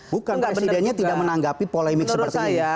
bukan presidennya tidak menanggapi polemik seperti ini